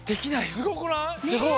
すごくない？